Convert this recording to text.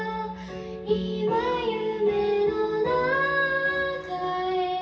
「今夢の中へ」